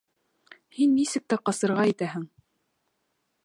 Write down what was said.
Һин нисек тә ҡасырға итәһең!